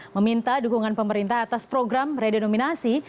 meminta dukungan pemerintah atas program redenominasi